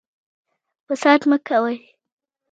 فساد مه کوئ